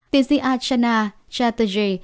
tiến sĩ archana chatterjee